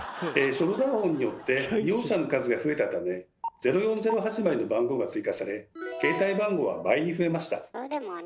ショルダーホンによって利用者の数が増えたため「０４０」始まりの番号が追加され携帯番号は倍に増えました。